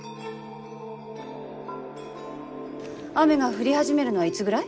雨が降り始めるのはいつぐらい？